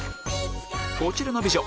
こちらの美女